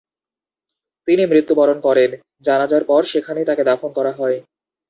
তিনি মৃত্যুবরণ করেন, জানাজার পর সেখানেই তাকে দাফন করা হয়।